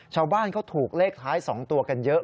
ชาวบ้านเขาถูกเลขท้าย๒ตัวกันเยอะ